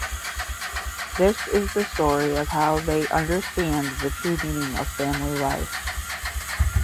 This is the story of how they understand the true meaning of family life.